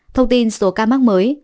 thông tin số ca mắc mới